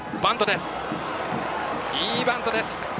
いいバントです。